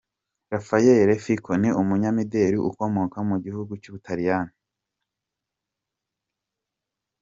Raffaela Fico ni umunyamideri ukomoka mu gihugu cy'ubutaliyani.